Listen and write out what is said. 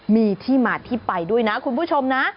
มีที่มาที่ไปด้วยนะคุณผู้ชมนะ